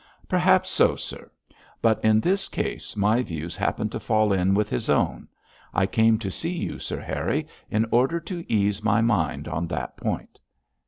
'Perhaps, so, sir; but in this case my views happen to fall in with his own. I came to see you, Sir Harry, in order to ease my mind on that point.'